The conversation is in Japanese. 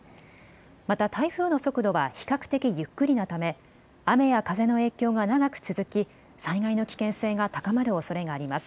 また台風の速度は比較的ゆっくりなため雨や風の影響が長く続き災害の危険性が高まるおそれがあります。